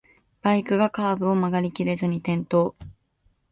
バイクがカーブを曲がりきれずに転倒